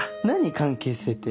関係性って？